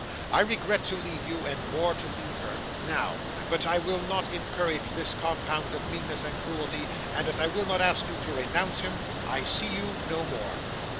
I regret to leave you, and more to leave her, now, but I will not encourage this compound of meanness and cruelty, and, as I will not ask you to renounce him, I see you no more.